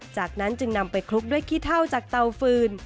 จากนั้นจึงนำไปคลุกด้วยขี้เท่าจากเตาฟืน